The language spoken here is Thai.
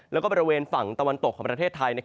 แล้วก็บริเวณฝั่งตะวันตกของประเทศไทย